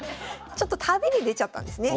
ちょっと旅に出ちゃったんですね。